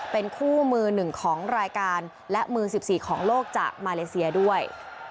เป็นคู่มือหนึ่งของรายการและมือ๑๔ของโลกจากมาเลเซียด้วย